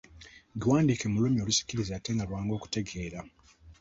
Giwandiike mu lulimi olusikiriza ate nga lwangu okutegeera.